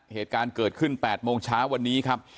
เหตุการณ์เกิดขึ้น๘โมงเช้าวันนี้ครับ